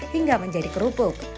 hingga menjadi kerupuk